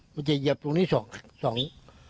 มันจะเหยียบตรงนี้สอง